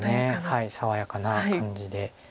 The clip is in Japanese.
はい爽やかな感じで。